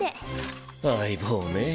相棒ねぇ。